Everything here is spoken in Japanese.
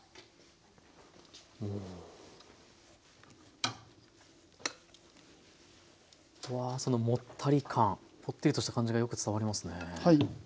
うわぁそのもったり感ポッテリとした感じがよく伝わりますね。